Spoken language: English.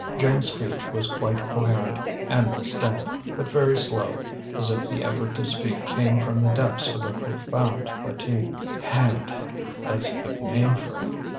James' speech was quite coherent and distinct, but very slow, as if the effort to speak came from the depths of a profound fatigue. "Hand that's a good name for him.